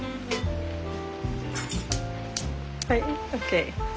はいＯＫ。